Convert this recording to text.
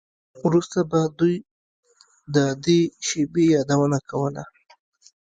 وروسته به دوی د دې شیبې یادونه کوله